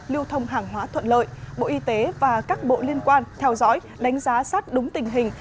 lưu thông hàng hóa thuận lợi bộ y tế và các bộ liên quan theo dõi đánh giá sát đúng tình hình